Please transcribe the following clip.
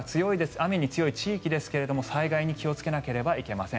雨に強い地域ですが災害に気をつけなければいけません。